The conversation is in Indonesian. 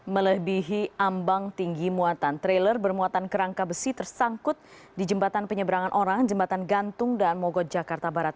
melebihi ambang tinggi muatan trailer bermuatan kerangka besi tersangkut di jembatan penyeberangan orang jembatan gantung dan mogot jakarta barat